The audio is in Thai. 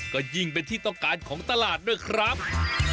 ก็ยิ่งเป็นที่ต้องการของตลาดด้วยครับ